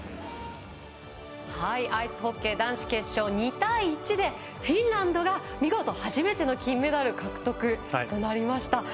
アイスホッケー男子決勝は２対１でフィンランドが見事、初めての金メダル獲得となりました。